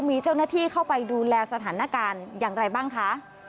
มีเจ้าหน้าที่เข้าไปดูแลสถานการณ์อย่างไรบ้างคะ